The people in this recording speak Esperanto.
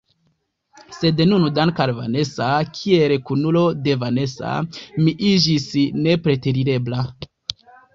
Sed nun, danke al Vanesa, kiel kunulo de Vanesa, mi iĝis nepreterirebla.